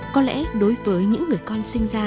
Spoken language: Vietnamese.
có lẽ đối với những người con sinh ra